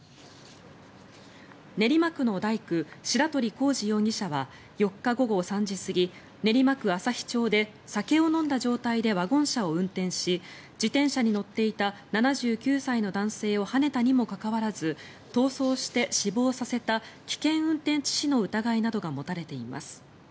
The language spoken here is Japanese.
練馬区の大工・白鳥功二容疑者は４日午後３時過ぎ練馬区旭町で酒を飲んだ状態でワゴン車を運転し自転車に乗っていた７９歳の男性をはねたにもかかわらず逃走して死亡させた危険運転致死の疑いなどが持たれています。